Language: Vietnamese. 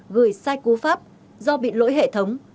gửi sai cú pháp do bị lỗi hệ thống